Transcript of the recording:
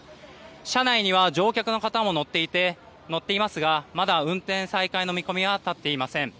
車内には乗客の方も乗っていますがまだ運転再開の見込みは立っていません。